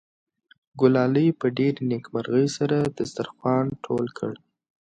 ګلالۍ په ډېرې نېکمرغۍ سره دسترخوان ټول کړ.